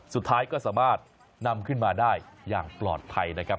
สุดท้ายก็สามารถนำขึ้นมาได้อย่างปลอดภัยนะครับ